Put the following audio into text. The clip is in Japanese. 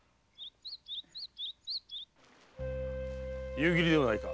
夕霧ではないか。